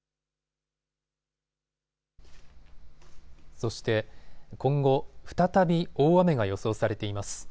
そして今後、再び大雨が予想されています。